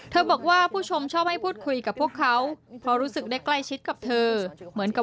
บอกว่าผู้ชมชอบให้พูดคุยกับพวกเขาเพราะรู้สึกได้ใกล้ชิดกับเธอเหมือนกับ